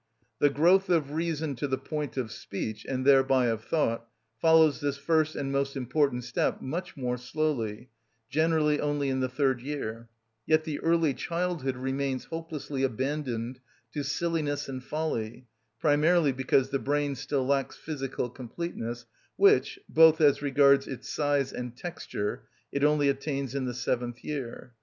The growth of reason to the point of speech, and thereby of thought, follows this first and most important step much more slowly, generally only in the third year; yet the early childhood remains hopelessly abandoned to silliness and folly, primarily because the brain still lacks physical completeness, which, both as regards its size and texture, it only attains in the seventh year.